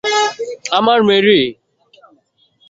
আমার মেরি!